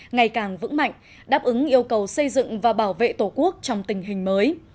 ngày càng vững mạnh đáp ứng yêu cầu xây dựng và bảo vệ tổ quốc trong tình hình mới